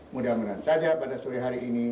mudah mudahan saja pada sore hari ini